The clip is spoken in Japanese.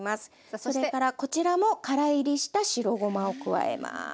それからこちらもからいりした白ごまを加えます。